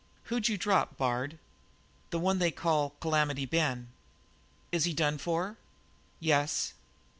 "Who'd you drop, Bard?" "The one they call Calamity Ben." "Is he done for?" "Yes."